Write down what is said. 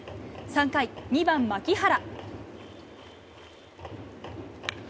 ３回、２番牧原。